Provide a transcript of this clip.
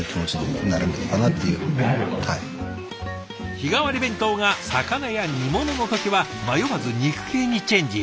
日替わり弁当が魚や煮物の時は迷わず肉系にチェンジ！